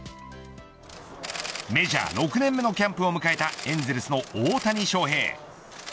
メジャー６年目のキャンプを迎えたエンゼルスの大谷翔平。